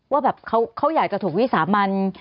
ว่าแบบเขาอยากจะถูกวิสามัน